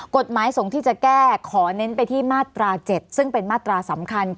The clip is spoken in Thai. กฎหมายสงฆ์ที่จะแก้ขอเน้นไปที่มาตรา๗ซึ่งเป็นมาตราสำคัญ